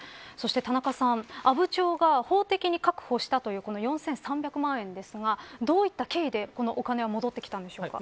田中さん、阿武町が法的に確保したという４３００万円ですがどういった経緯で、このお金は戻ってきたんでしょうか。